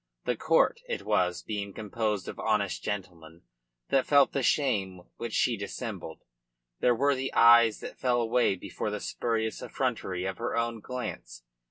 The court it was being composed of honest gentlemen that felt the shame which she dissembled. There were the eyes that fell away before the spurious effrontery of her own glance.